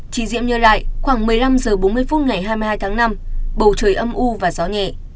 chị diệm nhớ lại khoảng một mươi năm h bốn mươi phút ngày hai mươi hai tháng năm bầu trời âm u và gió nhẹ